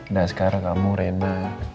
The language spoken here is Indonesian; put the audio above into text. nah ascara kamu rena